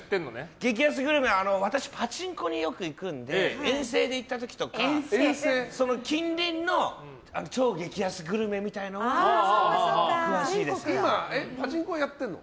激安グルメはパチンコに私はよく行くので遠征で行った時とか近隣の超激安グルメみたいなのは今、パチンコはやってるの？